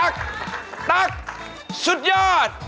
ตั๊กสุดยอด